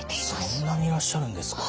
そんなにいらっしゃるんですか。